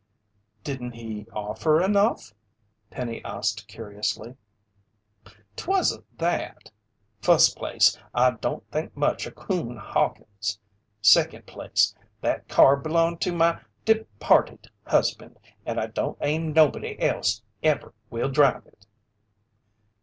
"Didn't he offer enough?" Penny asked curiously. "'Twasn't that. Fust place, I don't think much o' Coon Hawkins! Second place, that car belonged to my departed husband, and I don't aim nobody else ever will drive it."